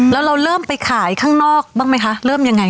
แล้วเราเริ่มไปขายข้างนอกบ้างไหมคะเริ่มยังไง